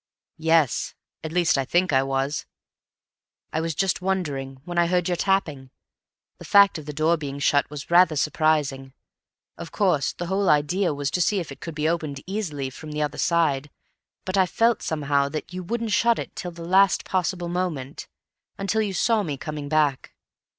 "Yes. At least I think I was. I was just wondering when I heard you tapping. The fact of the door being shut was rather surprising. Of course the whole idea was to see if it could be opened easily from the other side, but I felt somehow that you wouldn't shut it until the last possible moment—until you saw me coming back.